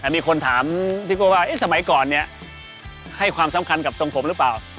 มีคนถามพี่โก้ว่าสมัยก่อนเนี่ยให้ความสำคัญกับทรงผมหรือเปล่า